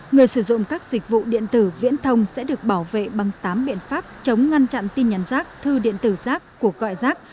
người sử dụng các dịch vụ điện tử viễn thông sẽ được bảo vệ bằng tám biện pháp chống ngăn chặn tin nhắn rác thư điện tử rác cuộc gọi rác